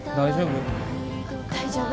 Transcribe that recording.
大丈夫？